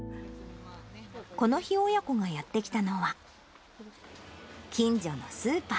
この日、親子がやって来たのは、近所のスーパー。